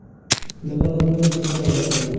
له بدو کړنو څخه ډډه وکړئ.